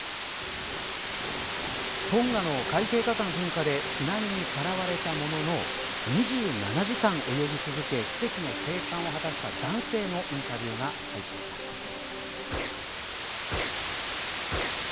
トンガの海底火山噴火で津波にさらわれたものの２７時間泳ぎ続け奇跡の生還を果たした男性のインタビューが入ってきました。